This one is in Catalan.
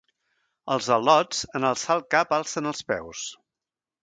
Els al·lots, en alçar el cap alcen els peus.